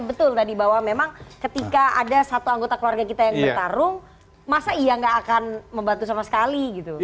betul tadi bahwa memang ketika ada satu anggota keluarga kita yang bertarung masa iya nggak akan membantu sama sekali gitu